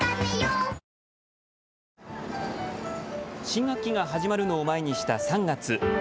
新学期が始まるのを前にした３月。